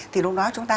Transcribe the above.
thì lúc đó chúng ta